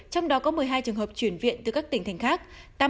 trong đó có một mươi hai trường hợp chuyển viện từ các tỉnh thành khác